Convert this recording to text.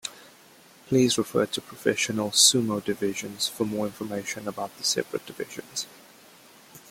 Please refer to Professional sumo divisions for more information about the separate divisions.